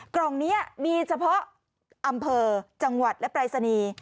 กล่องนี้มีเฉพาะอำเภอจังหวัดและปรายศนีย์